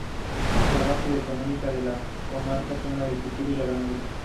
La base económica de la comarca son la agricultura y la ganadería.